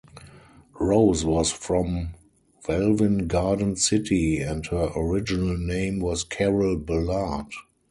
Rose was from Welwyn Garden City and her original name was Carol Ballard.